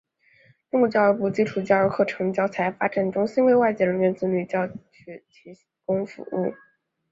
中国教育部基础教育课程教材发展中心为外籍人员子女学校等提供服务。